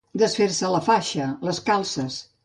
Desfer-se la faixa, les calces.